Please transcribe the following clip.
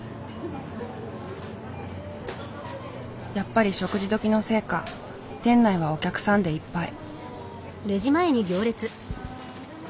やっぱり食事時のせいか店内はお客さんでいっぱい。